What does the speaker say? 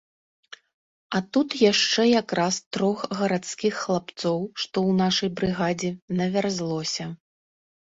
А тут яшчэ якраз трох гарадскіх хлапцоў, што ў нашай брыгадзе, навярзлося.